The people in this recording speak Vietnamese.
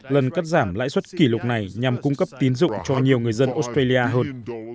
lần cắt giảm lãi suất kỷ lục này nhằm cung cấp tín dụng cho nhiều người dân australia hơn